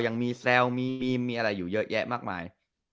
ยังมีแซวอยู่เยอะแยะมากมาย